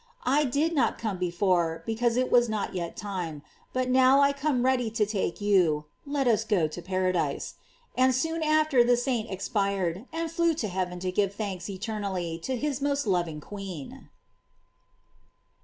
I did not come before, because it was not yet time ; but now I come ready to take you, let us go to paradise. And soon after the saint expired, and flew to heaven to give thanks eternally to his most loving queen.